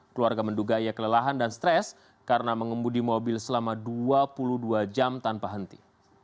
keluarga menduga ia kelelahan dan stres karena mengemudi mobil selama dua puluh dua jam tanpa henti